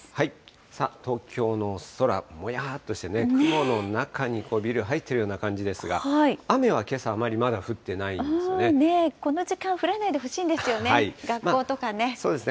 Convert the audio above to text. さあ、東京の空、もやーっとしてね、雲の中にビル、入っているような感じですが、雨はけさ、あまりまだ降ってないでこの時間、降らないでほしいんですよね。